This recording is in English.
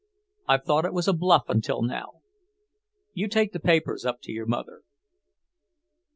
I've thought it was a bluff until now. You take the papers up to your mother."